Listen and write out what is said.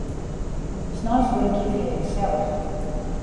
Sneins wurkje fyn ik gesellich.